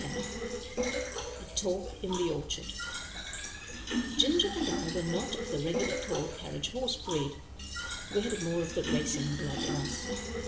10 A Talk in the Orchard Ginger and I were not of the regular tall carriage horse breed, we had more of the racing blood in us.